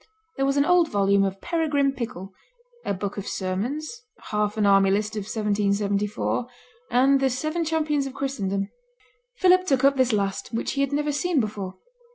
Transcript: There was an old volume of Peregrine Pickle; a book of sermons; half an army list of 1774, and the Seven Champions of Christendom. Philip took up this last, which he had never seen before.